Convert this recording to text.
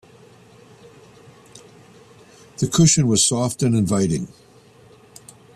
The cushion was soft and inviting.